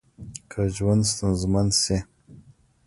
که ژوند ستونزمن شي